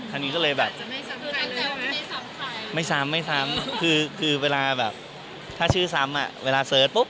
คันนี้ก็เลยแบบไม่ซ้ำไม่ซ้ำคือเวลาแบบถ้าชื่อซ้ำอ่ะเวลาเสิร์ชปุ๊บ